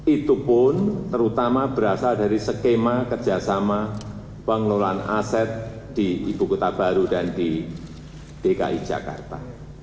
itu pun terutama berasal dari skema kerjasama pengelolaan aset di ibu kota baru dan di dki jakarta